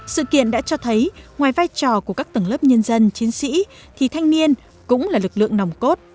sự kiện đã cho thấy ngoài vai trò của các tầng lớp nhân dân chiến sĩ thì thanh niên cũng là lực lượng nòng cốt